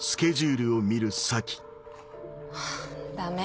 ハァダメ。